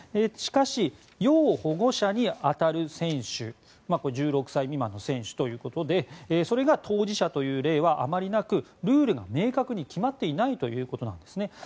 しかし要保護者に当たる選手１６歳未満の選手ということでそれが当事者という例はあまりなくルールが明確に決まっていないということなんですね。